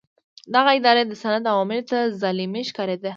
دغه ادارې د سند عوامو ته ظالمې ښکارېدې.